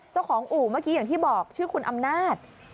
อู่เมื่อกี้อย่างที่บอกชื่อคุณอำนาจ